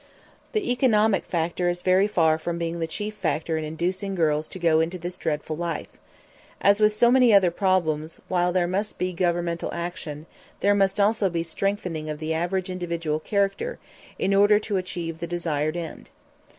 The economic factor is very far from being the chief factor in inducing girls to go into this dreadful life. As with so many other problems, while there must be governmental action, there must also be strengthening of the average individual character in order to achieve the desired end.